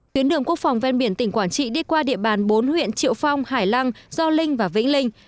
tuyến đường quốc phòng ven biển tỉnh quảng trị đi qua địa bàn bốn huyện triệu phong hải lăng gio linh và vĩnh linh